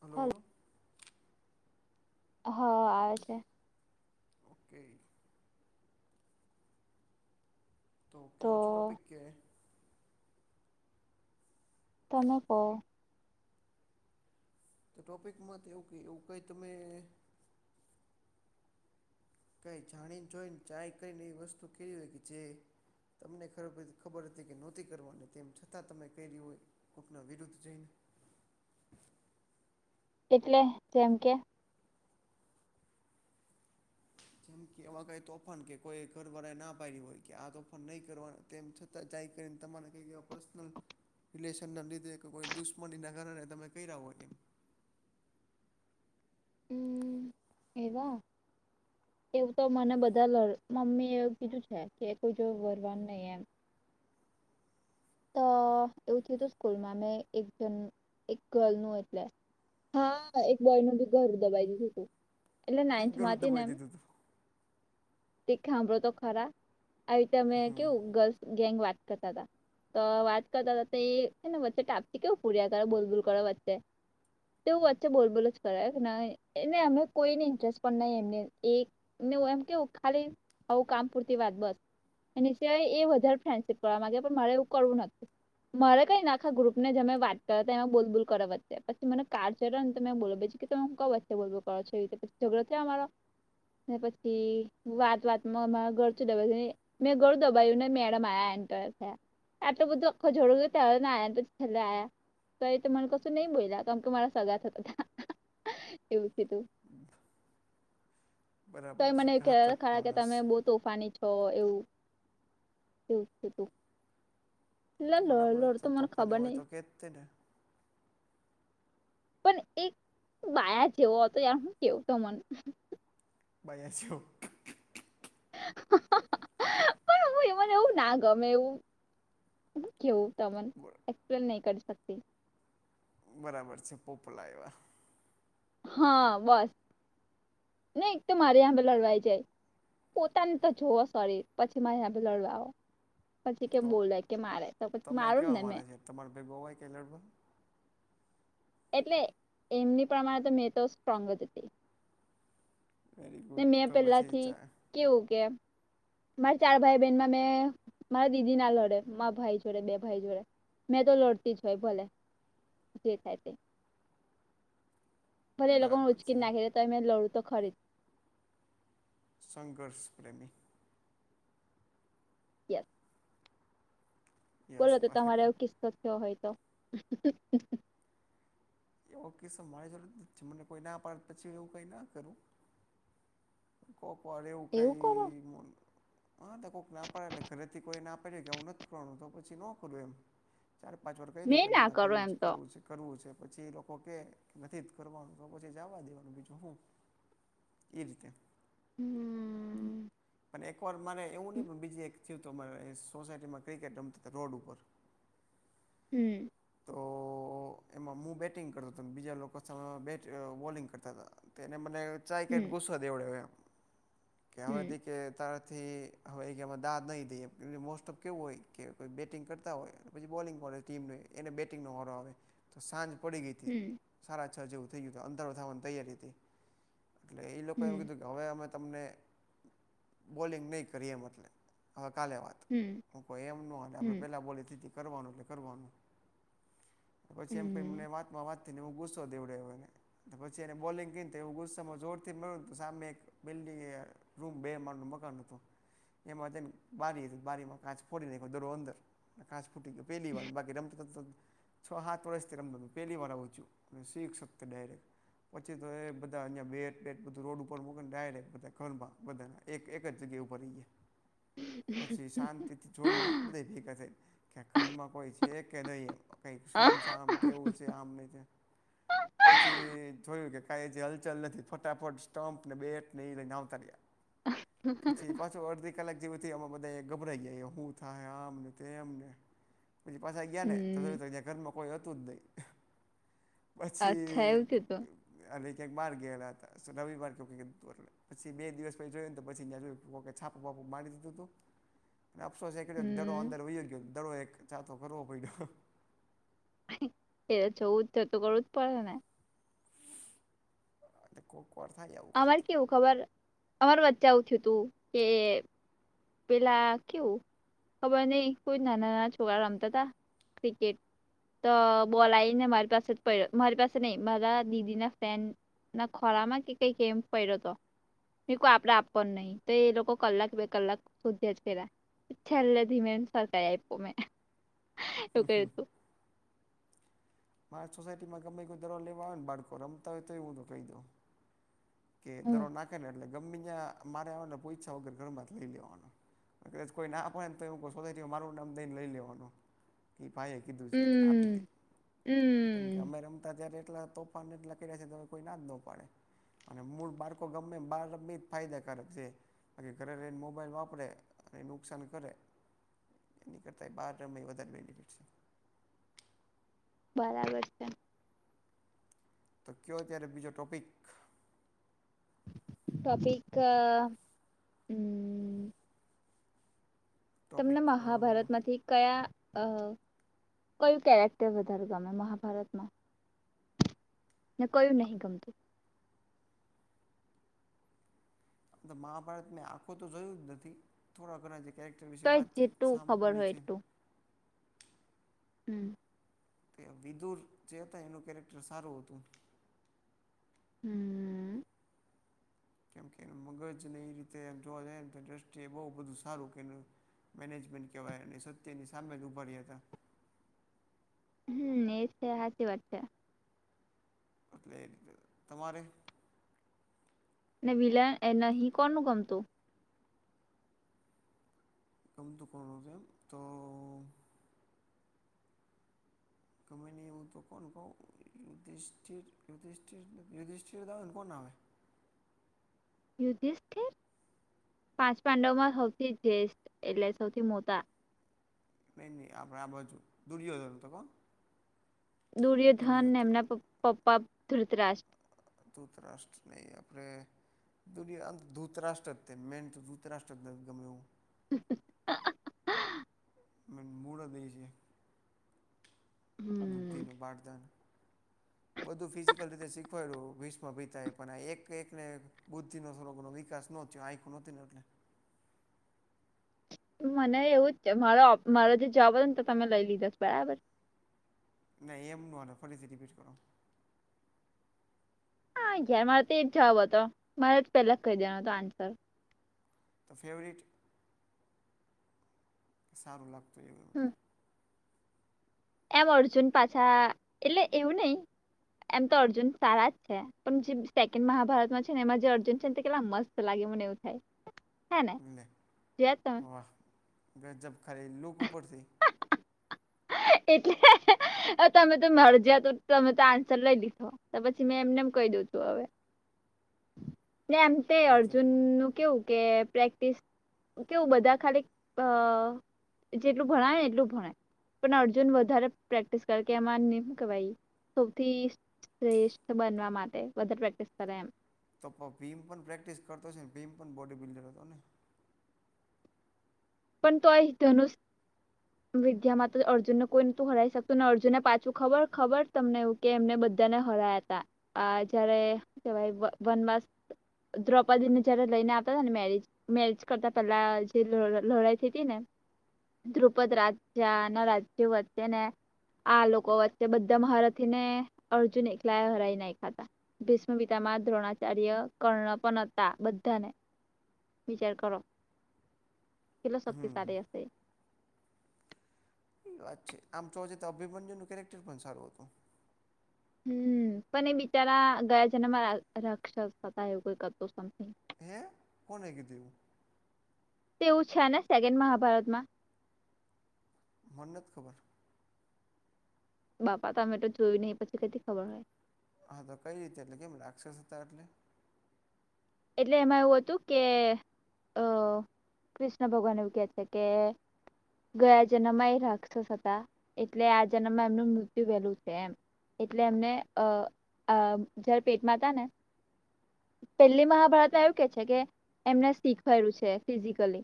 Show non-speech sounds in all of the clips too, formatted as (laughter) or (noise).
Hello. હ આવે છે. કે તો કયો છે ટોપિક કે તમે કો તો ટોપિકમાં તો એવું ક એવું કઈ તમે કંઈ જાણી જોઈને ચાય કઈને એવી વસ્તુ કેળવી કે જે તમને ખબર હતી કે નહોતી કરવાની તેમ છતાં તમે કર્યું હોય કોઈકના વિરુદ્ધ જઈને એટલે જેમ કે જેમ કે એવા કઈ તોફાન કે કોઈ ઘર વાળા એ ના પાડી હોય કે આ તોફાન નહી કરવા તેમ છ (unintelligible) પર્સનલ રિલેશનને લીધે કે કોઈ દુશ્મની ના કારણે તમે (unintelligible) હમ્મ, એવા એવું તો મને બધા લ મમ્મી એવું કીધું છે કે કોઈ જો વરવાન નહીં એમ. અ એવું થયું હતું સ્કૂલમાં મે એક જ એક ગર્લ નુ એટલે હા એક બોયનું બી ઘર દબાવી દીધું હતું એટલે એમ નાઈન્થમાં ગળું હતી ને દબાઈ દીધું હાંભડો તો ખરા આવી રીતેમે હતું હમ કેવું ગલ ગેંગ વાત કરતાં હતાં. તો વાત કરતા હતા એ છે ને વચ્ચે ટાપથી કેવું પૂર્યા કરો બોલ બૂલ કરો વચ્ચે તેવું વચ્ચે બોલ બોલ જ કરાય એને અમે કોઈને ઇન્ટરેસ્ટ પણ નહી એમને એક ને હુ એમ કેવું, ખાલી આવું કામ પૂરતી વાત બસ. એ સિવાય એ વધારે ફ્રેન્ડશીપ કરવા માંગ્યા પણ મારે એવું કરવું નથી. મારે કઈ ને આખા ગ્રુપને મેમે વાત કર્યા, એમાં બોલ બોલ કર વચે, પછી મને કાર ચ્યો ને તો મે બોલો કે તમે કઈ વચ્ચે બોલ બોલ કરો છો પછી ઝગડો થયો અમારો. પછી વાત વાતમાં (unintelligible) મેં ગળું દબાયું ને મેડમ આ્યા એન્ટર થયા આટલું બધું આખું જગાડો ગય ત ને આયા તોછી છેલ્લે આયા તોએ તો મને કશું નહી બોલ્યા, કારમ કે મારા સગા થ હતા એવું છે, તું (inaudible) બરાબર તોય છે મને એવ ખહે ઘાતક ખ કે માણસ તમે બ તોફાની છો એવું, (inaudible) એટલે લડ બરાબર જ લડ છે તો ને, મને તોફાની ખબર હોય નહિ તો કે જતી ને. પણ એક બાયા જેવો હતો યાર હું કેવું તો મને. બાયસો. પણ હું એમને એવું ના ગમે એવું. કેવું તમન એક્સપ્લેન નહી કરી શકતી. બરાબર છે પોપલા એવા. હા બસ, ને એક તો મારે અહીંયા લડવાઈ જાય. પોતાની તો જોવ સોરી પછી મારે એને લડવા આવો. પછી કેમ તો બોલે કે મારે તો પછી તમે મારું કેવા ને માને મેં. છે તમારે ભેગો હોય કે લડવો? એટલે એમની પ્રમાણે તો મેં તો સ્ટ્રોંગ જ હતી. વેરી ને ગુડ મેં તો પછી પહેલાથી ચા કેવું કેમ? મારા ચાર ભાઈ બહેનમાં મેં મારા દીદી ના લડે મા ભાઈ જોડે બે ભાઈ જોડે. મેં તો લડતી જ હોય ભલે, જે થાય તે. ભલે એ લોકો બરાબર ઉચકી છે નાખી તો મેં લડું તો ખરી. સંઘર્ષ પ્રેમી. યસ. યસ બોલો તો તમારે એવો કિસ્સો થયો હોય તો? એવો કિસ્સો મારા જોડ નથ થયો મને કોઈ ના પડે પછી એવું કંઈ ના કરું. કોકવાર એવું કોઈ મોલ હા કોઈક ના પડે એટલે ઘરેથી કોઈ ના પડે કે આવું નથી કરવાનું તો પછી ન કરું એમ. ચાર પાંચ વાર કહી દો મેં કે ના ના કરું કરવું એમ છે તો કરવું છે. કરવું છે પછી લોકો કે નથી જ કરવાનું તો પછી જવા દેવાનું બીજું હું. એ રીતે હમ્મ. પણ એકવાર મારે એવું નહીં પણ બીજી એક થયું તો મા સોસાયટીમાં ક્રિકેટ રમતા રોડ ઉપર હમ્મ. તો તો એમાં હું બેટિંગ કરતો હતો બીજા લોકો સામે બેટ બોલિંગ કરતા હતા તો એને મને ચાઈ હમ કરીને ગુસ્સો દેવડ્યો એમ, કે હવે હમ દેખ કે તારાથી હવે એક એમાં દાદ નહીં દઈએ કેમ મોસ્ટ ઓફ કેવું હોય કે કોઈ બેટિંગ કરતા હોય પછી બોલિંગ મળે ટીમને એને બેટિંગનો વારો આવે તો સાંજ પડી ગઈ સારા છ જેવું થઈ ગયું હતું અંધારો થવાની તૈયારી હતી એટલે એ લોકો એવુ કીધું કે હવે અમે તમને બોલિંગ નહીં કરીએ મતલબ હવે કાલે વાત. હું કોઈ એમ ન હાલે આપણે પહેલા બોલી હતી કરવાનું એટલે કરવાનું. પછી એમ કોઈ મને વાતમાં વાત એને હું ગુસ્સો દેવડાવ્યો પછી એને બોલિંગ કરીને તો એ ગુસ્સોમાં જોરથી મળ ને તો સામે એક બિલ્ડિંગ એ રૂમ બે માન નું મકાન હતું. એમાં જેને બારી હતી બારીમાં કાચ ફોડી નાખો, દડો અંદર. કાચ ફૂટી ગયો પહેલી વાર બાકી રમતો તા છ હાથ વર્ષથી રમુ પહેલી વાર આવું થયું અને સિક્સ વખતે ડાયરેક્ટ. પછી તો એ બધા અ બેટ બેટ બધું રોડ ઉપર મુક ડાયરેક બધા ઘર માં બધા એક એક જગ્યા ઉપર રહીએ. પછી શાંતિથી જોયું હું બધા ભેગા થઈ. કે ઘરમાં કોઈ છે કે નહી એમ કઈક આ સૂમસામ કેવું છે આમ નહી છે. પછી જોયું કે કઈ હજે હલચલ નથી ફટાફટ સ્ટમ્પ ને બેટ ને લઈ ને આવતા રિયા. પછી એ પાછો અર્ધી કલાક જેવી તી અમે બધાયે ગભરાઈ હું થાહે આમને તેમમને પછી પાસે ગયા ને તો હમ ઘરમાં કોઈ હતું જ નહીં. પછી અચ્છા એવું થયું તું અને ક્યાંક બાર ગયેલા હતા રવિવાર પછી બે દિવસ પછી જોયુંને પછીં જો છાપું મારી દીધું તું- અને અફસોસ એ દડો હમ અંદર વ ગયો દડો એક ચતો કરવો પડ્યો એ છવું જ છ તો કરવું જ પડેને એટલે કોકવાર થાય આવું. અમારે કંઈક કેવું ખબર અમાર વચ્ચે આવું થ્યું તું કે પેલા કેવું ખબર નઈ કોઈ નાના નાના છોરા રમતા હતાા ક્રિકેટ તો બોલ આયને મારી પાસે પડ મારી પાસે નહી મારા દીદી ના ફેન ના ખોરા માં કે કઈક એમ પડ્યો હતો. મેં કુ આપડે આપવા નહી તો એ લોકો કલાક બે કલાક શોધ્યા જ કર્યા છેલ્લે ધીમે સરકાઈ આપ્યો મેં એવું કર્યું તું મારી સોસાયટીમાં ગમે કોઈ દરો લેવા આવેય ને બાળકો રમતા હોય તો એું તો કહી દઉ કે દરો હમ. નાખે ને એટલે ગમે ત્યાં મારે આવેને પોઈછા વગર ઘરમાંથી લઈ લેવાનો. કદાચ કોઈ ના આપડે ને તો એ શોધાય મારું નામ દઈને લઈ લેવાનું કે ભાઈ કીધું છે એટલે આપી દે હમ કેમ કે હમ અમે રમતા જ્યારે એટલા તોફાાનને એટલા કર્યા છી તો હવે કોઈ ના જ ન પાડે અને મૂળ બાળકો ગમે બહાર રમી જ ફાયદાકારક છે. બાકી ઘરે રયને મોબાઈલ વાપરે અને નુકસાન કરે. એની કરતાં બહાર રમે એ વધારે બેનિફિટ છે. બરાબર છે. તો કયો ત્યારે બીજો ટોપિક ટોપિક ક હમ તમને ટોપિક મહાભારતમાંથી કયાં અ કયું કેરેક્ટર વધારે ગમે મહાભારતમાં ને કોયું નહીં ગમતું. આમ તો મહાભારત મેં આખું તો જોયું જ નથી થોડા ઘણા જે કેરેક્ટર તો વિશે વાતચીત જેટલું ખબર સાંભળી હોય છે. એટલું હમ તે વિદુર જે હતા એનું કેરેક્ટર સારું હતું. હમ કેમ કે મગજને એ રીતે એમ જોવા જઈએ ને તો દ્રષ્ટિએ બઉ બધું સારું કર્યુ. મેનેજમેન્ટ કહેવાય અને સત્યની સામે જ ઊભા રહ્યાં હતા. હમ એ છે સાચી વાત છે. એટલે એ રીતે તમારે ને વિલન એ નહીં કોનું ગમતું. કમ તું કોનુ છે એ મ તો ગમે ને એવું તો કોણ કહ યુધિષ્ઠિર યુધિષ્ઠિર યુધિષિર આવે ને કોણ આવે યુધિષ્ઠિર પાંચ પાંડવમાં હૌથી ધેસ્ટ એટલે સૌથી મોટા નહી નહી આપણે આ બાજુ દુર્યોધન પન ત દુર્યોધન ને એમના પપ્પા ધૃતરાજ ધૂતરાષ્ટ્ નહીં આપરડે દુનિયા અ ધૂત રાષ્ટ્ર તે મેન તો ધૂત રાષ્ટ્ર નથીગમે્ એવુ (unintelligible) મન મૂળ દઈ છે. થીનુ બાળથાન હ (unintelligible) બધું ફિઝિકલ રીતે શીખવાડ્યું વિષ્મ ભીતા એ પણ એક એકને બુદ્ધિ નો થોડો ધનો વિકાસ નોયો પનોટી ને નટલે મને એવું જ તે, મારો મારો જે જવાબ હતો ને તો તમે લઈ લીધો બરાબર? નહી એમ નો હાલે ફરીથી રિપીટ કરો? જ્યારે મારે તો એ જ જવાબ હતો મારે પેલા જ કહી દેવાનો હતો આન્સર. તો ફેવરેિટ? સારું લાગતું એમ કે હમ એમ અર્જુન પાછા, એટલે એવું નહી, એમ તો અર્જુન સારા જ છે. પણ જે સેકન્ડ મહાભારતમાં છે ને, એમાં જે અર્જુન છે ને કેટલા મસ્ત લાગે મને એવું થાય. હે ને લે! જોયા તમે વાહ! ગજબ ખાલી લૂક ઉપરથી એટલે તમે તો મળ જયા તો તમે તો આન્સર લઈ લીધો. તો પછી મેં એમ નેમ કહી દું તું હવે એમ તે ગજબ અર્જુન નું કેવું? કે પ્રેક્ટિસ કેવું બધા ખાલી એટલું ભણાય એટલું ભણે. પણ અર્જુન વધારે પ્રેક્ટિસ કર એમાંય હુ કેવાય સૌથી શ્રેષ્ઠ બનવા માટે વધારે પ્રેક્ટિસ કરે એમ. તો ભીમ પણ પ્રેક્ટિસ કરતો હશે ને ભીમ પણ બોડી બિલ્ડર હતો ને? પણ તો આ ધનુસ વિદ્યા માં અર્જુનને કોઈ નતું હરાઈ શકતું ને અર્જુનને પાછું ખબર ખબર તમને એવું? કે એમને બધાને હરાયા હતા, જયારે કેવાય વનવાસ દ્રૌપદીને જયારે લઈને આવતા હતા ને મેરેજ મેરેજ કરતા પેલા જે લડાઈ થ હતી ને ધ્રુપદ રાજા ના રાજ્યો વચ્ચે ને આ લોકો વચ્ચે બધા મહારથી ને અર્જુન એકલા હરાઈ નાખ્યાંતા. ભીષમ પિતા માં દ્રોણાચાર્ય, કર્ણ પણ હતા બધાને, વિચાર કરો? કેટલો હમ શક્તિશાળી હશે એ? એ વાત છે આમ જો તો અભિમન્યુ નું કેરેક્ટર પણ સારું હતું. હમ પણ એ બિચારા ગયા જના માં રક્ષસતા એવું કોઈ ક હતો. હે કોને કિધુ એવું? તેવું છે ને સેકન્ડ મહાભારત માં? મન્નત ખબર? બાપા તમે તો જોઈ નને પછી કથી ખબર હોય. હા તો કઈ રીતે એટલે કેમ રાક્ષસ હતા એટલે? એટલે એમાં એવું હતું કે અ કૃષ્ણ ભગવાન એવું કે છે કે ગયા જન્મમાં એ રાક્ષસ હતા એટલે આ જન્મમાં એમનું મૃત્યુ વહેલું છે એમ. એટલે એમને અ જયારે પેટમાં હતા ને પે પેલી મહાભારતમાં એવું કે છે કે એમને શીખવાલું છે ફિઝિકલી.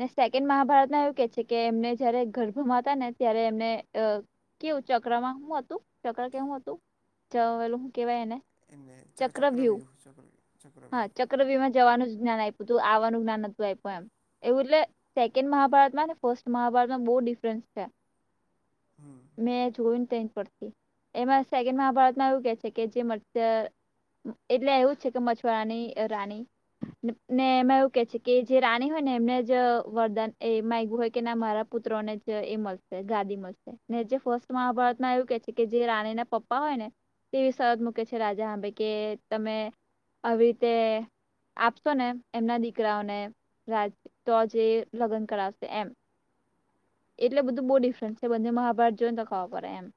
ને સેકન્ડ મહાભારતમાં એવું કે છે કે, એમને જયારે ગર્ભમાં હતા ને ત્યારે એમને કેવું ચક્રમાં હું હતું? ચક્ર કેવું હતું? જવેલુ હું કેવાય એને? એ ચક્રવ્યૂહ ચક્રવ્યુ ચક્રવ્યુહ. હા ચક્રવહમાં જવાનું જ્ઞાન આપ્યું તું, આવવાનું જ્ઞાન નતું આપ્યું એમ. એવું એટલે સેકન્ડ મહાભારતમાં ફર્સ્ટ મહાભારતમાં બહુ ડિફરન્સ છે. હમ મેં જોયને ત પડતી. એમાં સેકન્ડ મહાભારતમાં એવું કે છે કે, જે મરતા એટલે એવું જ છે કે મછુવારાની રાણી ને એમાં એવું કે છે કે જે રાણી હોય ને એમને જ વરદાન એ માંગયું હોય કે મારા પુત્રોને જ એ મળશે ગાદી મળશે ને જે ફસ્ટ મહાભારતમાં એવું કે છે કે, જે રાણી ના પપ્પા હોય ને તેવી શરત મૂકે છે રાજા હંબે કે તમે આવી રીતે, આપશો ને એમના દીકરાઓને રાજ તો જે લગ્ન કરાવશે એમ. એટલે બધું બહુ ડિફરન્સ છે બને મહાભારત જોઈને તો ખબર પડે એમ.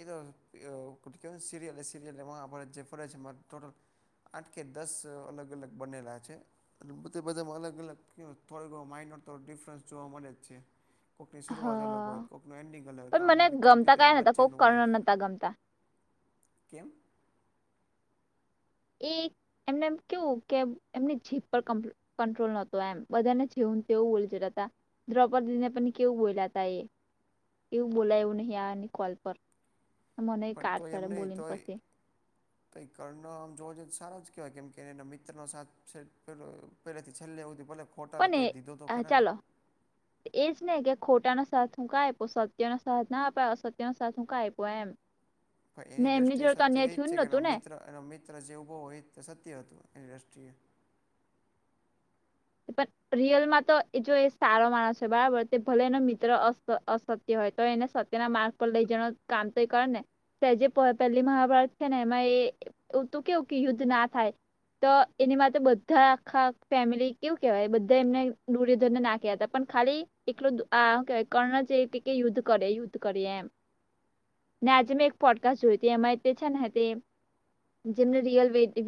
એ તો અહ કે સિરયલ એ સિરયલ એડે જે ફડે છે મા ટોટલ આઠ કે દસ અહ અલગ-અલગ બનેલા છે. અને બધે બધે માં અલગ અલગ થોક માઇડ ડિફરન્સ જોવા મલે જ છે. કોંકની શરૂઆત અલગ હા હોય કોંકનું એન્ડિંગ અગ પણ મને કારણ કે તમ કી ગમતા બે કયા નતા કોક હોય કર્ણ નતા ગમતા કેમ? એ એમને એમ કેવું કે એમની જીપ પર કમ્પ કંટ્રોલ નોતો એમ બધાને જેવું તેવું બોલ હતા દ્રૌપદીદીને પણ કેવું બોલ્યા હતા એ એવું બોલા એવું નહીં આની કોલ પર મને એક કાર સર બોલીને પછી. તોઈ કર્ણ આમ જોવો જોઈએ તો સારા જ કેહેવાય કેમ કે એના મિત્ર સાથ છે પહેલાથી છેલ્લે હુદી ભલે ફોટતા થા પણ તોએ ધીધો તો ખરાને. (inaudible) એ જ ને કે ખોટાનો સાથ હું કા આયપો સત્યનો સાથ ના આપા અસત્યનો સાથ હું કા આપ્યો એમ. (inaudible) પણ ને એની એમની દ્રષ્ટિએ જોડે તો સાચે અન્યાય એ જ થયું છે કે એનો નતું ને મિત્ર એનો મિત્ર જે ઉભો હોય તે સત્ય હતું એની દ્રષ્ટિ એ. પણ રિયલમાં તો એ જો સારો માણસ છે બરાબર તે ભલે એનો મિત્ર અસ અસ તે હોય તો એને સત્યના માર્ગ પર લઈ જણ કામ તો એ કરે ને. તે જે પ પહેલી મહાભારત છે ને એમાં એ તું કેવું કે યુદ્ધ ના થાય. તો એની માટે બધા આખા ફેમિલી કેવું કેવાય એ બધા એમને દૂરીધંધ નાખ્યા હતા પણ ખાલી એકલું આ હું કેવાય કર્ણ છે એટલે કે યુદ્ધ કરે યુદ્ધ કરે એમ. ને આજે મેં એક પોડકાસ્ટ જોય ત અમારે તે છે ને તે જેમને રિયલ વે ડી